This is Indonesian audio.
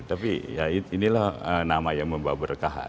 tapi inilah nama yang membuat saya berpikir itu